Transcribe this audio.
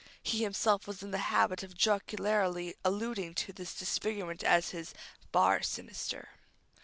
He himself was in the habit of jocularly alluding to this disfigurement as his "bar sinister."